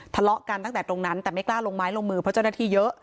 ทะเลาะกันตั้งแต่ตรงนั้นแต่ไม่กล้าลงไม้ลงมือเพราะเจ้าหน้าที่เยอะ